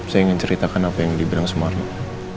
saya ingin ceritakan apa yang dibilang semalam